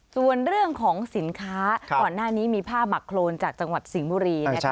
ส่วนเรื่องของสินค้าก่อนหน้านี้มีผ้าหมักโครนจากจังหวัดสิงห์บุรี